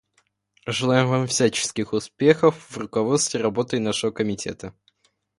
Желаем Вам всяческих успехов в руководстве работой нашего Комитета.